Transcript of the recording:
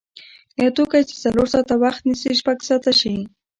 یو توکی چې څلور ساعته وخت نیسي شپږ ساعته شي.